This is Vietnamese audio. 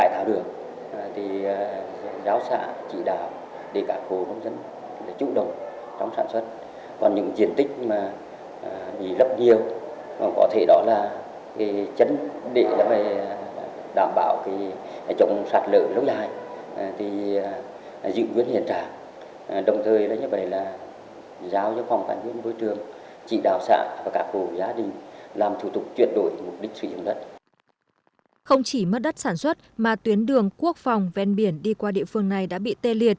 không chỉ mất đất sản xuất mà tuyến đường quốc phòng ven biển đi qua địa phương này đã bị tê liệt